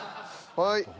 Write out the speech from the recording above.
はい。